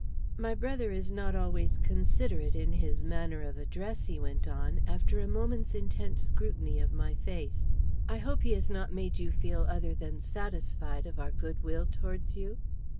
"My brother is not always considerate in his manner of address," he went on, after a moment's intent scrutiny of my face. "I hope he has not made you feel other than satisfied of our good will towards you?"